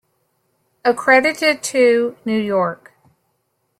Accredited to: New York.